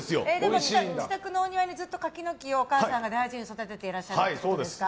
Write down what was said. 自宅のお庭にずっと柿の木を、お母さんが大事に育てていらっしゃるんですね。